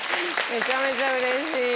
めちゃめちゃうれしい。